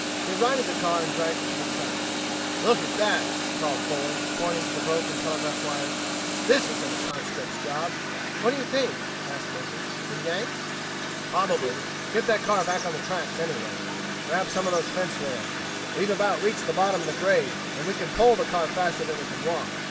They righted the car and dragged it to the track. "Look at that!" called Fuller, pointing to the broken telegraph wires. "This isn't a conscript's job." "What do you think?" asked Murphy. "The Yanks?" "Probably. Get that car back on the tracks, anyway. Grab some of those fence rails. We've about reached the bottom of the grade, and we can pole the car faster than we can walk.